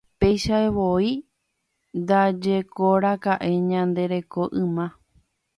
Peichavoi ndajekoraka'e ñande reko yma.